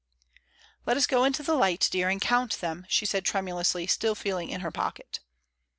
"Let us go to the light, dear, and count them," she said tremulously, still feeling in her pocket.